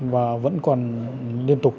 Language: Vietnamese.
và vẫn còn liên tục